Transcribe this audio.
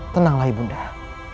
tenanglah ibu undah